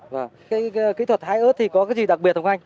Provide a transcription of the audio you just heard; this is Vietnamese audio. cái kỹ thuật hái ớt thì có cái gì đặc biệt không anh